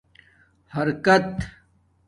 حرکت